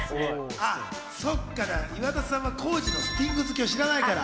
岩田さんは浩次のスティング好きを知らないから。